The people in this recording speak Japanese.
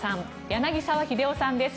柳澤秀夫さんです。